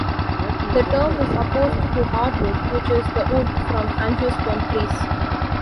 The term is opposed to hardwood, which is the wood from angiosperm trees.